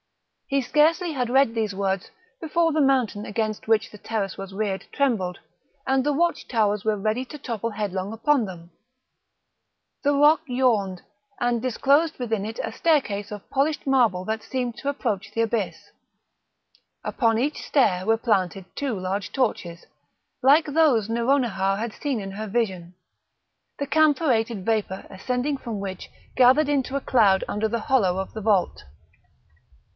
He scarcely had read these words before the mountain against which the terrace was reared trembled, and the watch towers were ready to topple headlong upon them; the rock yawned, and disclosed within it a staircase of polished marble that seemed to approach the abyss; upon each stair were planted two large torches, like those Nouronihar had seen in her vision, the camphorated vapour ascending from which gathered into a cloud under the hollow of the vault.